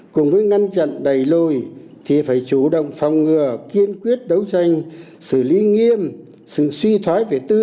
cùng với ngăn chặn đầy lôi thì phải chủ động phòng ngừa kiên quyết đấu tranh xử lý nghiêm sự suy thoái về tư tưởng